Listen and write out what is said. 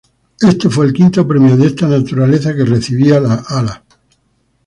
Este fue el quinto premio de esta naturaleza que recibía la Ala.